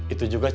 itu juga cuma